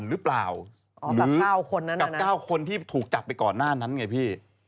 หรือเปล่ากับเก้าคนที่ถูกจับไปก่อนหน้านั้นไงพี่